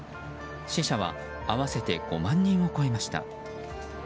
死者は合わせて５万人を超えました。